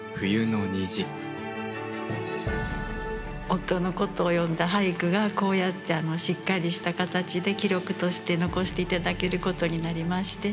夫のことを詠んだ俳句がこうやってしっかりした形で記録として残して頂けることになりましてとてもうれしく思っております。